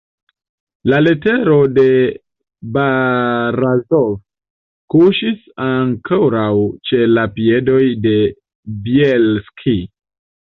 La letero de Barazof kuŝis ankoraŭ ĉe la piedoj de Bjelski.